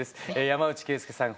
山内惠介さん